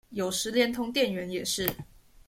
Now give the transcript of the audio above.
有時連同店員也是